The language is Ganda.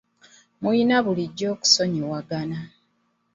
Mulina bulijjo okusonyiwagana.